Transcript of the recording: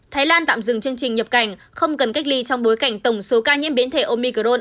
thái lan tạm dừng chương trình nhập cảnh không cần cách ly trong bối cảnh tổng số ca nhiễm biến thể omicron